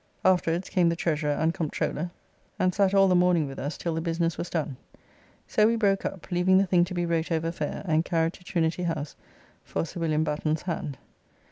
Afterwards came the Treasurer and Comptroller, and sat all the morning with us till the business was done. So we broke up, leaving the thing to be wrote over fair and carried to Trinity House for Sir Wm. Batten's hand.